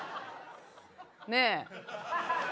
ねえ。